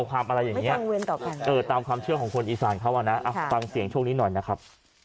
ตามความเชื่อของคนอีสานเขานะฟังเสียงช่วงนี้หน่อยนะครับ